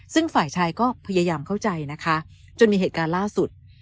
ซึ่งฝ่ายชายก็พยายามเข้าใจนะคะจนมีเหตุการณ์ล่าสุด